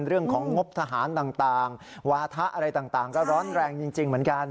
เรื่องของงบทหารต่างวาถะอะไรต่างก็ร้อนแรงจริงเหมือนกัน